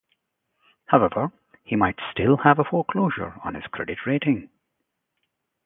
However, he might still have a foreclosure on his credit rating.